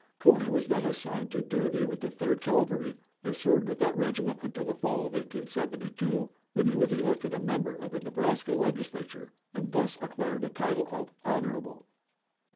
"Cody was then assigned to duty with the Third Cavalry, and served with that regiment until the fall of 1872, when he was elected a member of the Nebraska Legislature, and thus acquired the title of 'Honorable.